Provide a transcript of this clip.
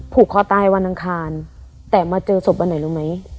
ผูกคอตายวันอังคารแต่มาเจอศพวันไหนรู้ไหม